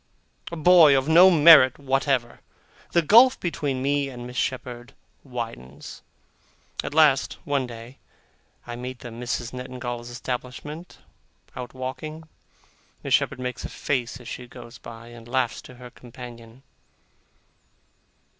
a boy of no merit whatever! The gulf between me and Miss Shepherd widens. At last, one day, I meet the Misses Nettingalls' establishment out walking. Miss Shepherd makes a face as she goes by, and laughs to her companion.